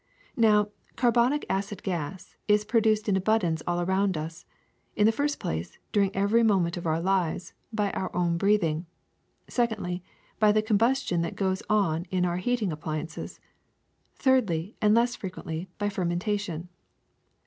Now, carbonic acid gas is produced in abundance all around us; in the first place, during every moment of our lives, by our own breathing ; secondly, by the combustion that goes on in our heating appliances; thirdly, and less fre quently, by fermentation.